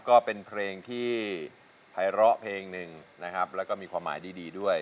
ก็เป็นเพลงที่ภัยร้อเพลงหนึ่งนะครับแล้วก็มีความหมายดีด้วย